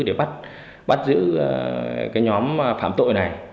để bắt giữ nhóm phạm tội này